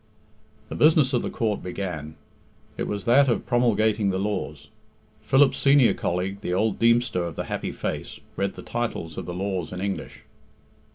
The business of the Court began. It was that of promulgating the laws. Philip's senior colleague, the old Deemster of the happy face, read the titles of the laws in English.